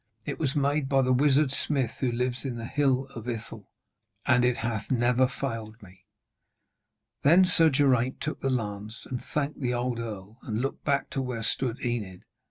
It was made by the wizard smith who lives in the Hill of Ithel, and it hath never failed me.' Then Sir Geraint took the lance and thanked the old earl, and looked back to where stood Enid.